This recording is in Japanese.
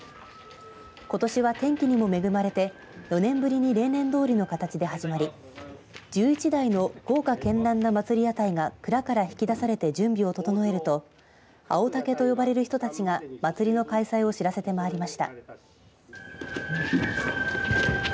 ことしは天気にも恵まれて４年ぶりに例年どおりの形で始まり１１台の豪華けんらんな祭り屋台が蔵から引き出されて準備を整えると青竹と呼ばれる人たちが祭りの開催を知らせて回りました。